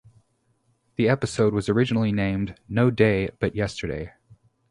The episode was originally named "No Day but Yesterday".